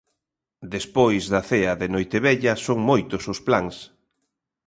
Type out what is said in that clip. Despois da cea de noitevella, son moitos os plans.